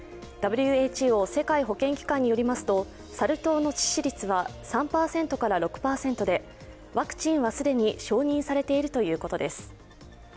ＷＨＯ＝世界保健機関によりますと、サル痘の致死率は３％から６％で、ワクチンは既に承認されているということです。